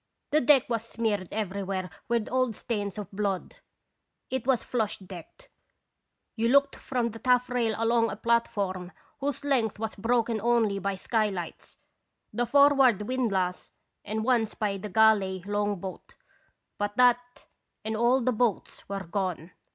The deck was smeared everywhere with old stains of blood. It was flush decked ; you looked from the taff rail along a platform whose length was broken only by skylights, the forward windlass, and once by the galley long boat, but that and all the boats were gone.